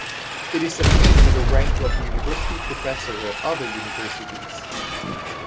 It is akin to the rank of university professor at other universities.